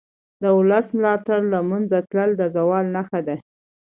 د ولس ملاتړ له منځه تلل د زوال نښه ده